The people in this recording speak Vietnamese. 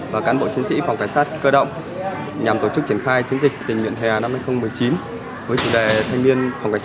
và các bệnh nhân tâm thần